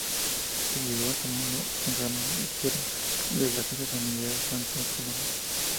Se llega tomando el ramal izquierdo de la pista San Hilario-Santa Coloma.